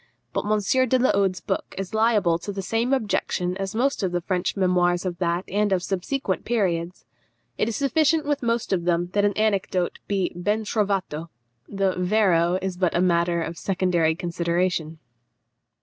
But M. de la Hode's book is liable to the same objection as most of the French memoirs of that and of subsequent periods. It is sufficient with most of them that an anecdote be ben trovato; the vero is but matter of secondary consideration.